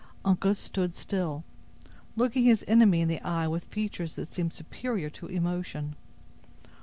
Uncas stood still, looking his enemy in the eye with features that seemed superior to emotion.